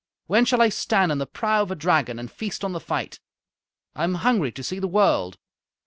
"When shall I stand in the prow of a dragon and feast on the fight? I am hungry to see the world.